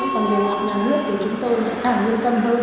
còn về mặt nhà nước thì chúng tôi lại thà nhanh tâm hơn